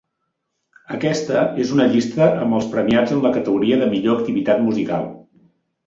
Aquesta és una llista amb els premiats en la categoria de millor activitat musical.